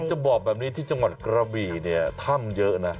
จะบอกแบบนี้ที่จังหวัดกระบี่เนี่ยถ้ำเยอะนะ